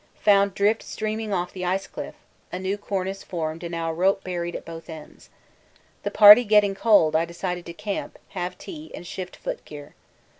Found drift streaming off the ice cliff, a new cornice formed and our rope buried at both ends. The party getting cold, I decided to camp, have tea, and shift foot gear.